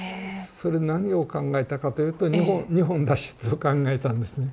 それで何を考えたかというと日本脱出を考えたんですね。